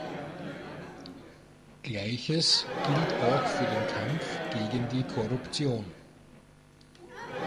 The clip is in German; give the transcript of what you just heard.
Gleiches gilt auch für den Kampf gegen die Korruption.